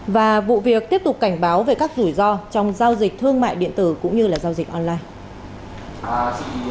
và vụ việc tiếp tục cảnh báo về các rủi ro trong giao dịch thương mại điện tử cũng như giao dịch online